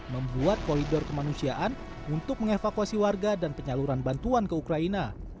membuat koridor kemanusiaan untuk mengevakuasi warga dan penyaluran bantuan ke ukraina